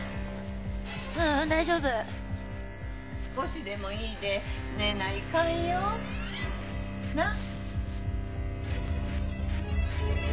ううん大丈夫少しでもいいで寝ないかんよなっ？